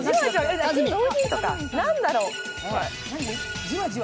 何だろう。